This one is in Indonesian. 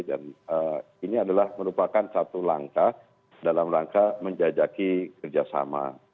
dan ini adalah merupakan satu langkah dalam langkah menjajaki kerjasama